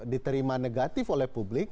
diterima negatif oleh publik